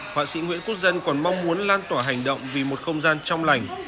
họa sĩ nguyễn quốc dân còn mong muốn lan tỏa hành động vì một không gian trong lành